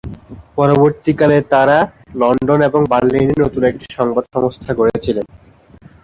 পরবর্তীকালে তাঁরা লন্ডন এবং বার্লিনে নতুন একটি সংবাদ সংস্থা গড়েছিলেন।